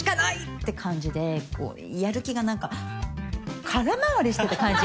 って感じでこうやる気が何か空回りしてた感じ？